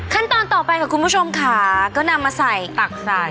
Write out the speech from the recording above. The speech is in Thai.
ขั้นตอนต่อไปค่ะคุณผู้ชมค่ะก็นำมาใส่ตักใส่